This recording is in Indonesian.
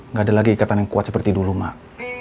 nggak ada lagi ikatan yang kuat seperti dulu mak